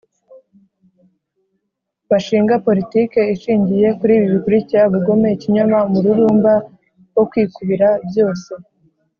bashinga politike ishingiye kur'ibi bikurikira: Ubugome, Ikinyoma, Umururumba wo Kwikubira byose,